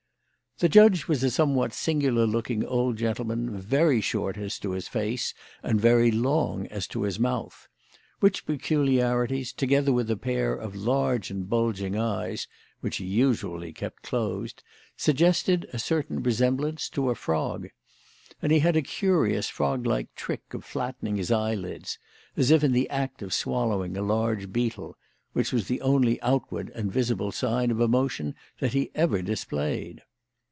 The judge was a somewhat singular looking old gentleman, very short as to his face and very long as to his mouth; which peculiarities, together with a pair of large and bulging eyes (which he usually kept closed), suggested a certain resemblance to a frog. And he had a curious frog like trick of flattening his eyelids as if in the act of swallowing a large beetle which was the only outward and visible sign of emotion that he ever displayed.